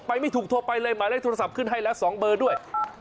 ไม่ถูกโทรไปเลยหมายเลขโทรศัพท์ขึ้นให้แล้ว๒เบอร์ด้วย